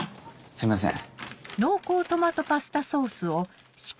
すいません。